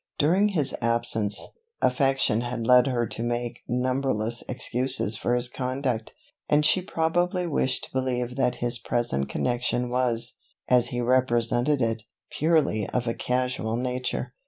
"During his absence, affection had led her to make numberless excuses for his conduct," and she probably wished to believe that his present connection was, as he represented it, purely of a casual nature.